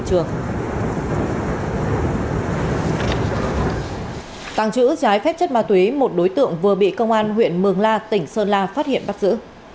tàng trữ trái phép chất ma túy một đối tượng vừa bị công an huyện mường la tỉnh sơn la phát hiện bắt giữ